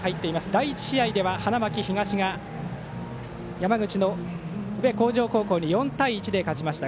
第１試合では花巻東が山口の宇部鴻城高校に４対１で勝ちました。